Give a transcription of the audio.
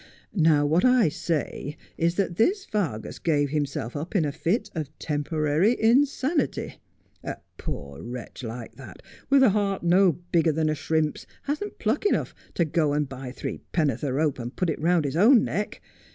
Now what I say is that this Vargas gave himself up in a fit of temporary insanity. A poor wretch like that, with a heart no bigger than a shrimp's, hasn't pluck enough to go and buy three penn'orth of rope and put it round his own neck.